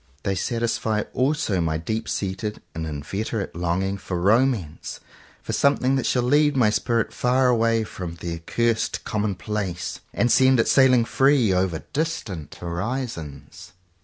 They satisfy also my deep seated and inveterate longing for Romance, for some thing that shall lead my spirit far away from the accursed commonplace, and send it sailing free over distant horizons.